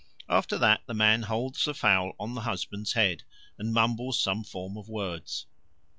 After that the man holds the fowl on the husband's head, and mumbles some form of words.